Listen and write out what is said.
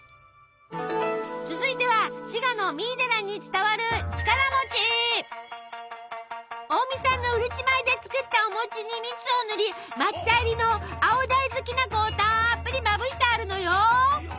続いては滋賀の三井寺に伝わる近江産のうるち米で作ったお餅に蜜をぬり抹茶入りの青大豆きな粉をたっぷりまぶしてあるのよ。